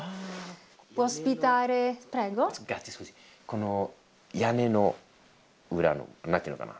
この屋根の裏の何ていうのかな